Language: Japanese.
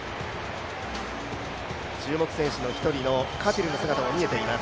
注目選手の１人のカティルの姿も見えています。